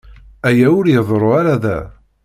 Aya ur iḍerru ara da.